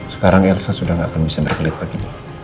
sekarang elsa sudah gak akan bisa berkelip lagi